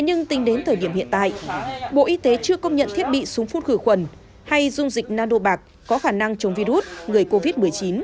nhưng tính đến thời điểm hiện tại bộ y tế chưa công nhận thiết bị súng phun khử khuẩn hay dung dịch nano bạc có khả năng chống virus người covid một mươi chín